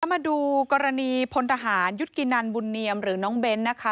มาดูกรณีพลทหารยุทธกินันบุญเนียมหรือน้องเบ้นนะคะ